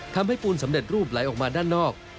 ปูนสำเร็จรูปไหลออกมาด้านนอก